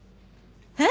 えっ？